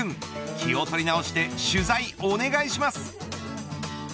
気を取り直して取材、お願いします。